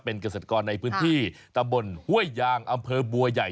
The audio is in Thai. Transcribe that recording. เป็นเกษตรกรในพื้นที่ตำบลห้วยยางอำเภอบัวใหญ่